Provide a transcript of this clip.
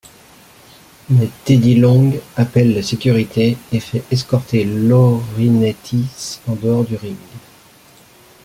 Mais Teddy Long appelle la sécurité et fait escorter Laurinaitis en dehors du ring.